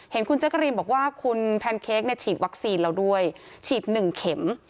เห็นคุณแจ๊กกะรีนบอกว่าคุณแพนเค้กเนี่ยฉีดวัคซีนเราด้วยฉีด๑เข็ม